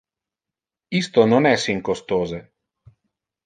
Isto non es incostose!